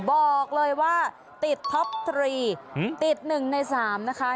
บอกเลยว่าติดท็อปทรีติด๑ใน๓นะคะ